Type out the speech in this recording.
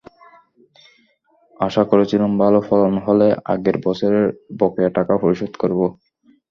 আশা করেছিলাম, ভালো ফলন হলে আগের বছরের বকেয়া টাকা পরিশোধ করব।